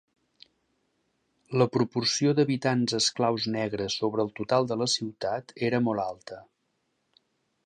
La proporció d'habitants esclaus negres sobre el total de la ciutat era molt alta.